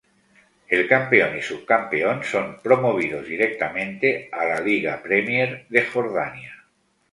El campeón y subcampeón son promovidos directamente a la Liga Premier de Jordania.